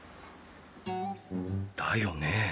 だよね。